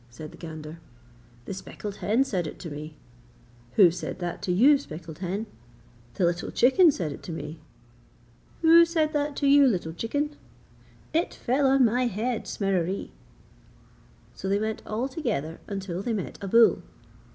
said the gander. 'The speckled hen said it to me.' 'Who said that to you, speckled hen?' 'The little chicken said it to me.' 'Who said that to you, little chicken?' 'It fell on my head, Smereree!' So they went all together until they met a bull.